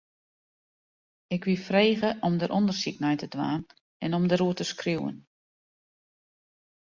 Ik wie frege om dêr ûndersyk nei te dwaan en om dêroer te skriuwen.